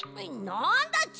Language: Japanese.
なんだち？